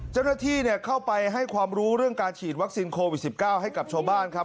เจ้าหน้าที่เข้าไปให้ความรู้เรื่องการฉีดวัคซีนโควิด๑๙ให้กับชาวบ้านครับ